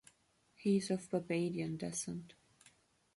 He is of Barbadian descent.